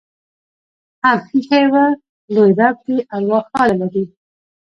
هم ایښي وه. لوى رب دې ارواح ښاده لري.